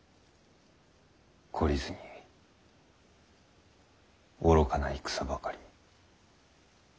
懲りずに愚かな戦ばかり。